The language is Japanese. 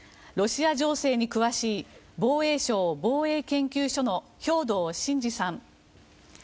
ロシア情勢に詳しい防衛省防衛研究所の兵頭慎治さん。